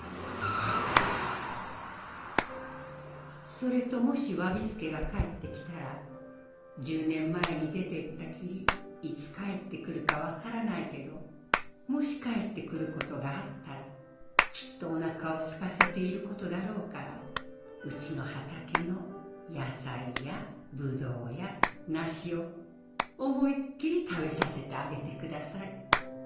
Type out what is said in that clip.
「それともし侘助が帰って来たら１０年前に出て行ったきりいつ帰って来るか分からないけどもし帰って来ることがあったらきっとお腹をすかせていることだろうからうちの畑の野菜やブドウやナシを思いっきり食べさせてあげてください。